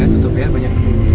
tutup ya tutup ya